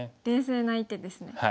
冷静な一手ですね。